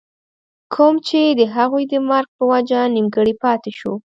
کوم چې َد هغوي د مرګ پۀ وجه نيمګري پاتې شو